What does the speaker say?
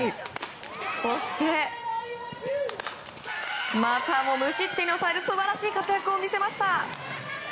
そして、またも無失点に抑える素晴らしい活躍を見せました。